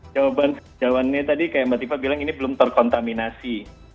jawabannya tadi kayak mbak tifa bilang ini belum terkontaminasi